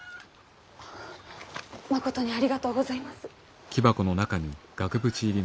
あまことにありがとうございます。